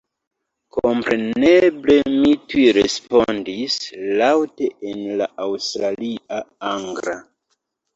Kompreneble mi tuj respondis laŭte en la aŭstralia angla.